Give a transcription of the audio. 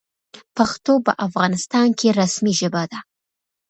پښتو په افغانستان کې رسمي ژبه ده.